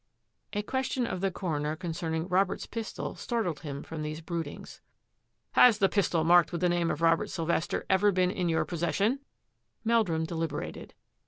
A question of the coroner concerning Robert's pistol startled him from these broodings. " Has the pistol marked with the name of Rob ert Sylvester ever been in your possession? " Meldrum deliberated.